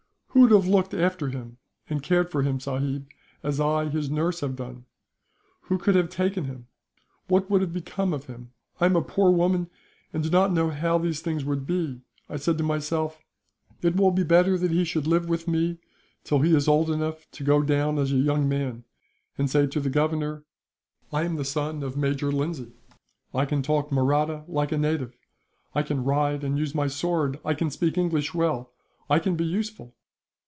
"Who would have looked after him, and cared for him, sahib, as I, his nurse, have done? Who could have taken him? What would have become of him? I am a poor woman, and do not know how these things would be. I said to myself: "'It will be better that he should live with me, till he is old enough to go down as a young man, and say to the Governor: "'"I am the son of Major Lindsay. I can talk Mahratti like a native. I can ride and use my sword. I can speak English well. I can be useful."